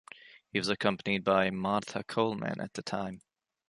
He was accompanied by Martha Coleman at the time.